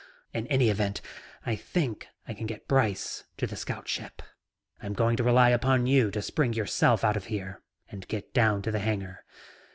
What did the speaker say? "In any event, I think I can get Brice to the scout ship. I'm going to rely upon you to spring yourself out of here and get down to the hangar.